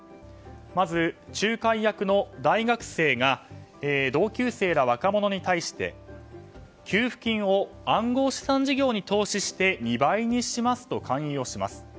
まず、仲介役の大学生が、同級生ら若者に対して給付金を暗号資産事業に投資して２倍にしますと勧誘をします。